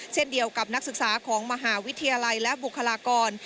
เช่นเดียวกับนักศึกษาของมหาวิทยาลัยและบุคลากร